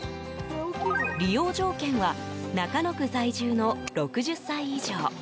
利用条件は中野区在住の６０歳以上。